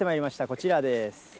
こちらです。